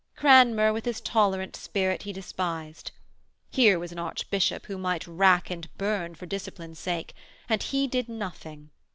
Cranmer, with his tolerant spirit, he despised. Here was an archbishop who might rack and burn for discipline's sake, and he did nothing....